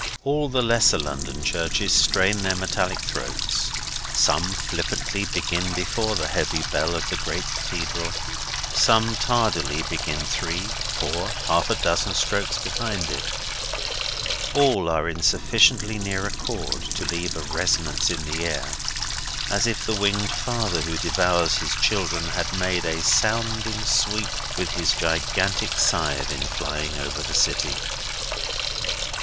All the lesser London churches strain their metallic throats. Some, flippantly begin before the heavy bell of the great cathedral; some, tardily begin three, four, half a dozen, strokes behind it; all are in sufficiently near accord, to leave a resonance in the air, as if the winged father who devours his children, had made a sounding sweep with his gigantic scythe in flying over the city.